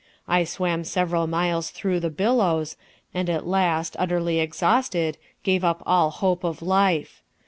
I swam several miles through the billows, and at last, utterly exhausted, gave up all hope of life.